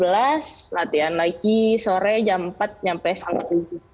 latihan lagi sore jam empat sampai setengah tujuh